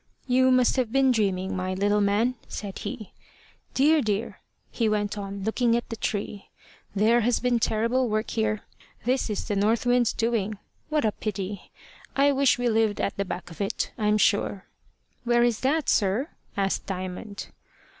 "You must have been dreaming, my little man," said he. "Dear! dear!" he went on, looking at the tree, "there has been terrible work here. This is the north wind's doing. What a pity! I wish we lived at the back of it, I'm sure." "Where is that sir?" asked Diamond.